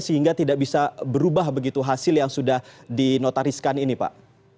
sehingga tidak bisa berubah begitu hasil yang sudah dinotariskan ini pak